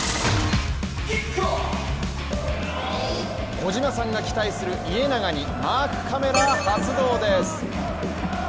小島さんが期待する家長にマークカメラ発動です。